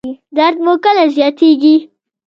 درد مو کله زیاتیږي؟